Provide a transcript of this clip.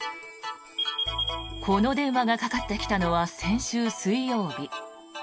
この電話がかかってきたのは先週水曜日。